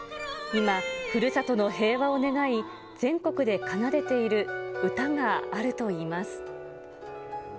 今、ふるさとの平和を願い、全国で奏でている歌があるといいます。